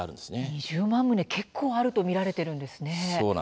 ２０万棟って結構あると見られているのですね。